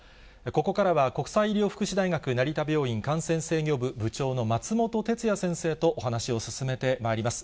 ここからは国際医療福祉大学成田病院感染制御部部長の松本哲哉先生とお話を進めてまいります。